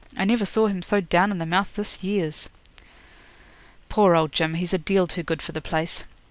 I never saw him so down in the mouth this years.' 'Poor old Jim, he's a deal too good for the place.